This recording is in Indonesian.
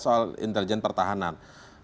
soal intelijen pertahanan